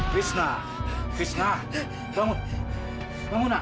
krisna krisna bangun bangun nak